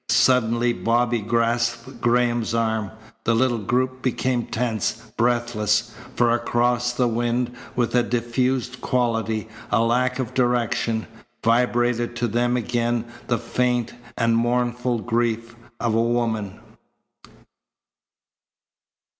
Suddenly Bobby grasped Graham's arm. The little group became tense, breathless. For across the wind with a diffused quality, a lack of direction, vibrated to them again the faint and mournful grief of a woman.